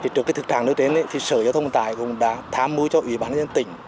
trước thực trạng nổi tiếng sở giao thông vận tải cũng đã tham mưu cho ủy ban nhân dân tỉnh